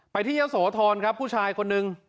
ไปที่เยี่ยมโสทรครับผู้ชายคนนึง